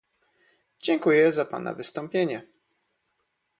Dziękuję za pana wystąpienie